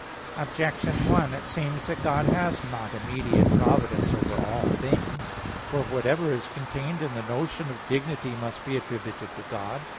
Objection 1: It seems that God has not immediate providence over all things. For whatever is contained in the notion of dignity, must be attributed to God.